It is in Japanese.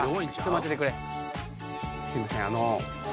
すいません。